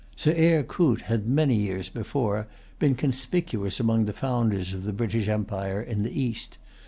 Sir Eyre Coote had, many years before, been[Pg 167] conspicuous among the founders of the British empire in the East.